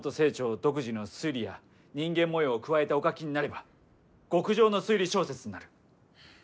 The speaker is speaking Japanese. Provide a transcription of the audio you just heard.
独自の推理や人間模様を加えてお書きになれば極上の推理小説になる。